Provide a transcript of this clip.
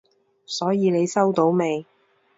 所以你收到未？